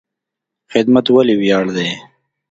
خدمت ولې ویاړ دی؟